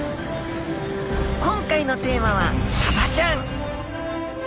今回のテーマはサバちゃん！